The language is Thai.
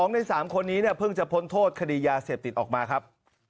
ใน๓คนนี้เนี่ยเพิ่งจะพ้นโทษคดียาเสพติดออกมาครับ